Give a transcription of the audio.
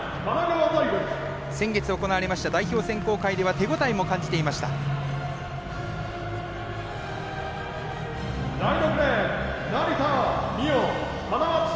先月行われました代表選考会では手応えも感じていました、室木。